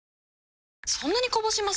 そんなにこぼします？